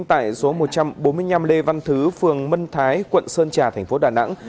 tại số một trăm bốn mươi năm lê văn thứ phường mân thái quận sơn trà thành phố đà nẵng